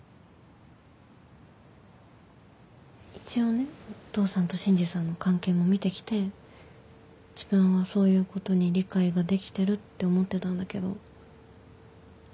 一応ねお父さんと信爾さんの関係も見てきて自分はそういうことに理解ができてるって思ってたんだけど。